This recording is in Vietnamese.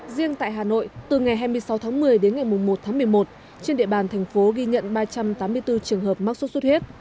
riêng tại hà nội từ ngày hai mươi sáu tháng một mươi đến ngày một tháng một mươi một trên địa bàn thành phố ghi nhận ba trăm tám mươi bốn trường hợp mắc sốt xuất huyết